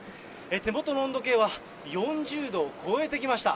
手元の温度計は４０度を超えてきました。